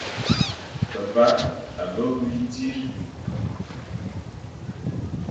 Pepa a ve wui tsit.